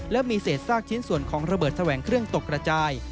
และมีเศษซากชิ้นส่วนของระเบิดแสวงเครื่องตกกระจาย